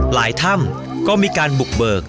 ถ้ำก็มีการบุกเบิก